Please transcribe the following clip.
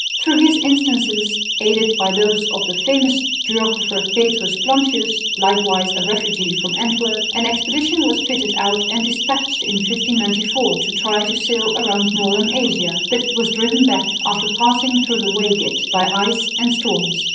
Through his instances, aided by those of the famous geographer Petrus Plancius (likewise a refugee from Antwerp), an expedition was fitted out and despatched in 1594 to try to sail round northern Asia, but it was driven back after passing through the Waigat by ice and storms.